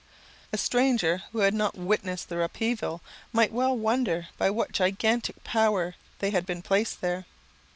A stranger who had not witnessed their upheaval, might well wonder by what gigantic power they had been placed there.